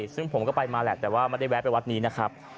ซึ่งผมก็ไปมาแหละแต่ว่าไม่ได้แวะไปวัดนี้นะครับ